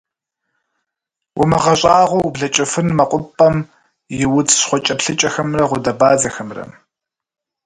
УмыгъэщӀагъуэу ублэкӀыфын мэкъупӀэм и удз щхъуэкӀэплъыкӀэхэмрэ гъудэбадзэхэмрэ!